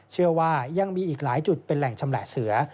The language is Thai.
เชื่อว่ายังมีอีกหลายจุดเป็นแหล่งชำแหละเสือ